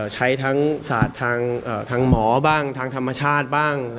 ใช้ทั้งศาสตร์ทางหมอบ้างทางธรรมชาติบ้าง